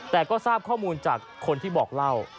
แต่ก็ทราบข้อมูลจากคนที่บอกเล่า